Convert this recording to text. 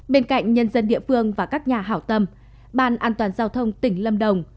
bên cạnh nhân dân địa phương và các nhà hảo tâm ban an toàn giao thông tỉnh lâm đồng